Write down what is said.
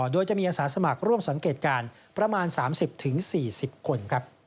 โดยจะมีอาสาสมัครร่วมสังเกตการณ์ประมาณ๓๐๔๐คน